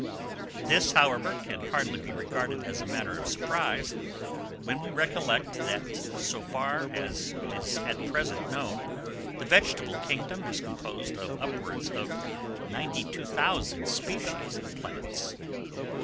This, however, can hardly be regarded as a matter of surprise, when we recollect that, so far as it is at present known, the vegetable kingdom is composed of upwards of 92,000 species of plants.